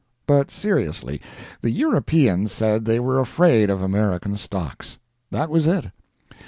But seriously, the Europeans said they were afraid of American stocks. That was it.